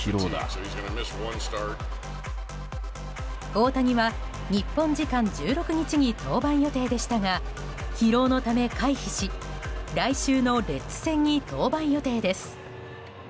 大谷は日本時間１６日に登板予定でしたが疲労のため回避し来週のレッズ戦に登板予定です。